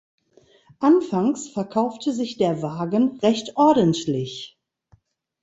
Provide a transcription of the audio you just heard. Anfangs verkaufte sich der Wagen recht ordentlich.